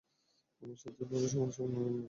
আমার সাহায্যের পরেও, সমান সমান নই আমরা।